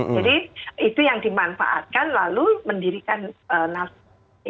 jadi itu yang dimanfaatkan lalu mendirikan nasden